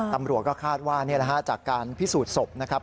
ตำรวจก็คาดว่าจากการพิสูจน์ศพนะครับ